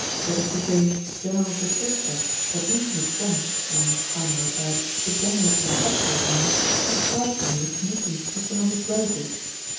That is to say, General Betristchev, an intimate friend, and, I might add, a generous benefactor of mine, has charged me with commissions to some of his relatives.